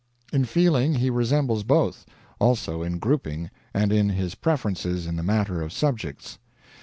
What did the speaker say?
In feeling, he resembles both; also in grouping and in his preferences in the matter of subjects.